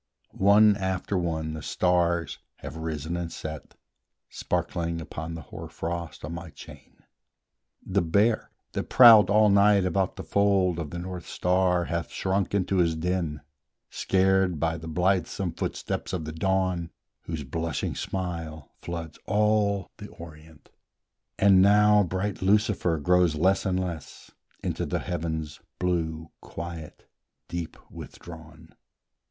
One after one the stars have risen and set, Sparkling upon the hoarfrost on my chain: The Bear, that prowled all night about the fold Of the North star, hath shrunk into his den, Scared by the blithesome footsteps of the Dawn, Whose blushing smile floods all the Orient; And now bright Lucifer grows less and less, Into the heaven's blue quiet deep withdrawn.